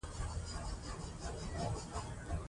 د خبرو اترو له لارې ستونزې حل کړئ.